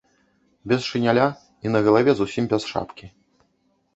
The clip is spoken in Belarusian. Без шыняля і на галаве зусім без шапкі.